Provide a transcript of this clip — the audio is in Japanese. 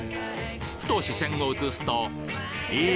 ふと視線を移すとえ！